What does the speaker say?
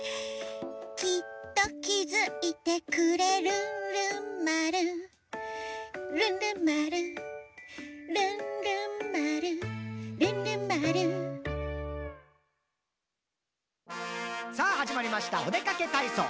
「きっときづいてくれるんるんまる」「るんるんまるるんるんまるるんるんまる」「さぁはじまりましたおでかけたいそう！」